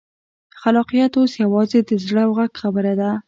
خلاقیت اوس یوازې د زړه او غږ خبره ده.